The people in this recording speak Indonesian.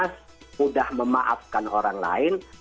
sudah memaafkan orang lain